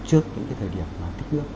trước những cái thời điểm mà tích nước